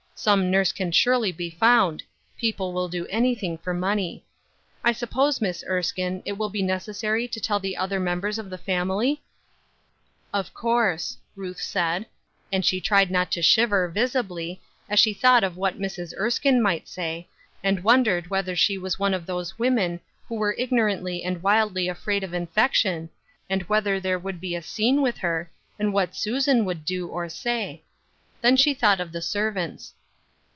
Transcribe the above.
Some nurse can surely be found ; people will do any thing for money. I suppose. Miss Erskine, it will be necessary to teU the other members of the famUy ?"" Of course," Ruth said, and she tried not to shiver, visibly, as she thought of what Mrs. Erskine might say, and wondered whether she was one of those women who were ignorantly and wildly afraid of infection, and whether there would be a scene with her, and what Susan would do, or say. Then she thought of the servants.